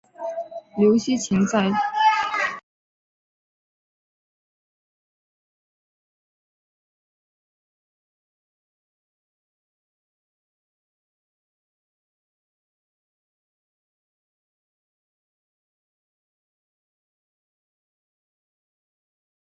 金莲花奖最佳编剧是澳门国际电影节金莲花奖的常设奖项。